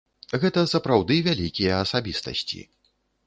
Гэта сапраўды вялікія асабістасці.